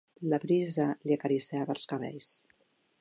La brisa li acariciava els cabells.